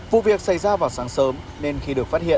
vụ việc xảy ra vào sáng sớm nên khi được phát hiện